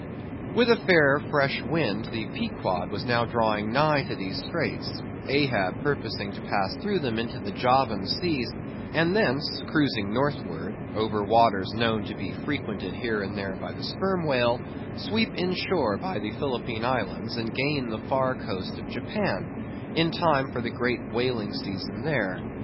With a fair, fresh wind, the Pequod was now drawing nigh to these straits; Ahab purposing to pass through them into the Javan sea, and thence, cruising northwards, over waters known to be frequented here and there by the Sperm Whale, sweep inshore by the Philippine Islands, and gain the far coast of Japan, in time for the great whaling season there.